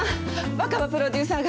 若葉プロデューサーが。